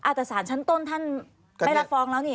อาจจะสารชั้นต้นท่านไม่รับฟ้องแล้วนี่